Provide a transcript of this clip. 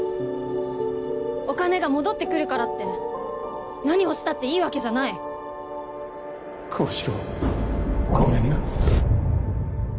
お金が戻ってくるからって何をしたっていいわけじゃない高志郎ごめんな